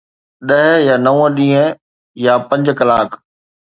ڏهه يا نو ڏينهن يا پنج ڪلاڪ؟